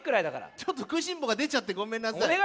ちょっとくいしんぼうがでちゃってごめんなさい。